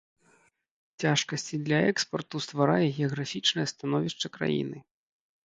Цяжкасці для экспарту стварае геаграфічнае становішча краіны.